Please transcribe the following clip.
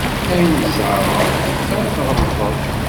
Ayen tzerɛd ara tɣellteḍ.